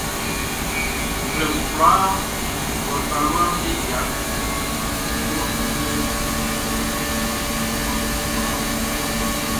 Nglɛmun kwlaaʼn, klɔ taluaʼm be yia gboʼn i wun lɛ.